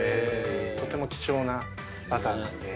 とても貴重なバターなんで。